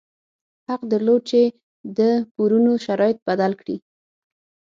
حق درلود چې د پورونو شرایط بدل کړي.